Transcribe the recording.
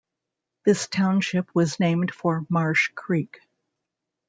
This township was named for Marsh Creek.